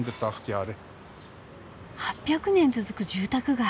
８００年続く住宅街！？